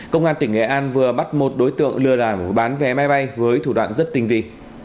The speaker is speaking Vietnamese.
công an tỉnh nghệ an vừa bắt một đối tượng lừa đảo bán vé máy bay với thủ đoạn rất tinh vị